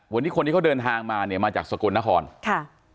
วันนี้คนที่เขาเดินทางมาเนี่ยมาจากสกลนครค่ะ